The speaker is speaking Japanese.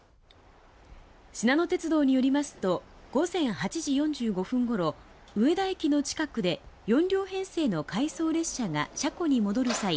しなの鉄道によりますと午前８時４５分ごろ上田駅の近くで４両編成の回送列車が車庫に戻る際